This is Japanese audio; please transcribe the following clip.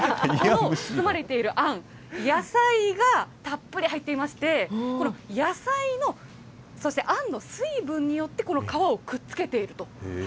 包まれているあん、野菜がたっぷり入っていまして、野菜の、そしてあんの水分によって、この皮をくっつけていると。